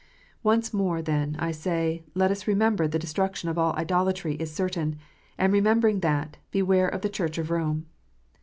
Once more, then, I say, let us remember that the destruction of all idolatry is certain, and remembering that, beware of the Church of Rome.